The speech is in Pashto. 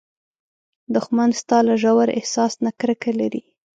دښمن ستا له ژور احساس نه کرکه لري